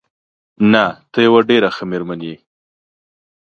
نه، ته یوه ډېره ښه مېرمن یې.